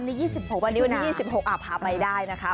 นี่๒๖วันนี้วันที่๒๖พาไปได้นะคะ